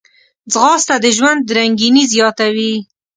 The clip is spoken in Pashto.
ځغاسته د ژوند رنګیني زیاتوي